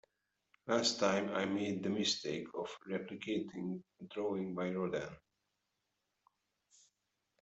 Last time, I made the mistake of replicating a drawing by Rodin.